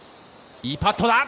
いいパットだ！